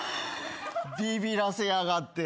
ビビらせやがって。